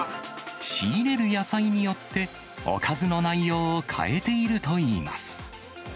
仕入れる野菜によって、おかずの内容を変えているといいます。